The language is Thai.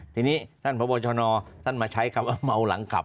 ทีนี้ท่านพบชนท่านมาใช้คำว่าเมาหลังขับ